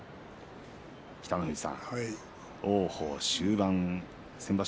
北の富士さん、王鵬終盤先場所